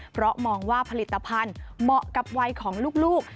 เพราะมองว่าผลิตภัณฑ์เหมาะกับวัยของลูก